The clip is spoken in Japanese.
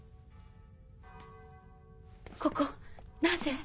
ここなぜ？